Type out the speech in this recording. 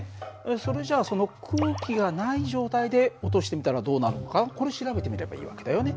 それじゃあその空気がない状態で落としてみたらどうなるのかこれ調べてみればいい訳だよね。